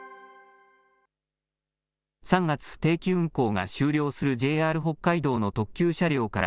３月、定期運行が終了するＪＲ北海道の特急車両から、